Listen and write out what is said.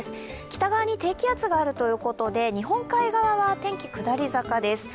北側に低気圧があるということで日本海側は天気が下り坂です。